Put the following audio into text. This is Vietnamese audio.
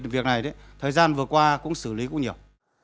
việc này thời gian vừa qua cũng xử lý cũng nhiều